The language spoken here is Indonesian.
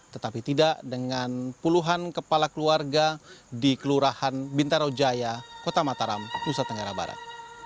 tetapi tidak dengan puluhan kepala keluarga di kelurahan bintaro jaya kota mataram nusa tenggara barat